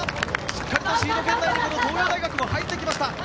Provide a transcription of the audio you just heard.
しっかりとシード圏内に東洋大学も入ってきました。